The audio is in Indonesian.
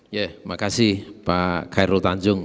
ya makasih pak khairul tanjung